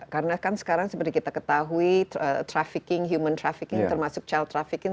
karena kan sekarang seperti kita ketahui trafficking human trafficking termasuk child trafficking